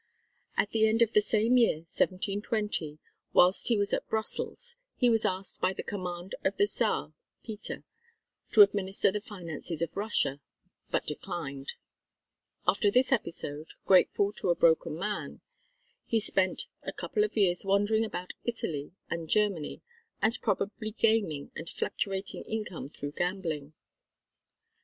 At the end of the same year, 1720, whilst he was at Brussels he was asked by the command of the Czar (Peter), to administer the finances of Russia, but declined. After this episode, grateful to a broken man, he spent a couple of years wandering about Italy and Germany and probably gaming a fluctuating income through gambling.